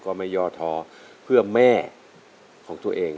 ก็ไม่ย่อท้อเพื่อแม่ของตัวเอง